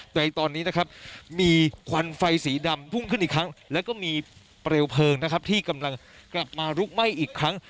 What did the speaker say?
แต่ตอนนี้มีควันไฟสีดำพล่งขึ้นอีกครั้งและก็มีเปลวเพลิงที่กำลังกลับมาลุกไหม้อีกครั้ง